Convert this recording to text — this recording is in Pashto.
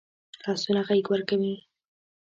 لاسونه غېږ ورکوي